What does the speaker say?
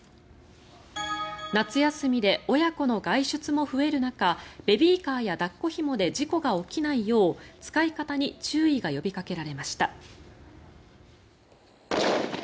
夏休みで親子の外出も増える中ベビーカーや抱っこひもで事故が起きないよう使い方に注意が呼びかけられました。